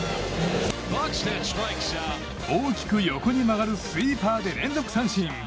大きく横に曲がるスイーパーで連続三振。